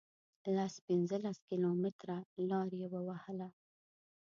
لس پنځلس کیلومتره لار یې ووهله.